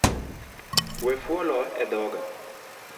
We fuolo edhoga